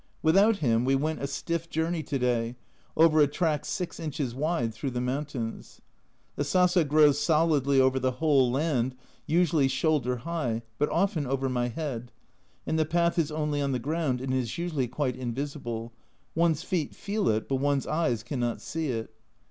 Without him we went a stiff journey to day, over a track 6 inches wide, through the mountains. The sasa grows solidly over the whole land, usually shoulder high, but often over my head, and the path is only on the ground, and is usually quite invisible one's feet feel it, but one's eyes cannot see it.